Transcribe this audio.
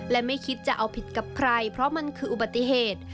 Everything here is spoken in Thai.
และไม่คิดจะเอาผิดกับใครเพราะมันคืออุบัติเหตุ